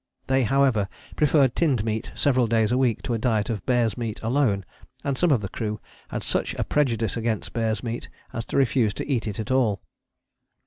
They, however, preferred tinned meat several days a week to a diet of bear's meat alone; and some of the crew had such a prejudice against bear's meat as to refuse to eat it at all."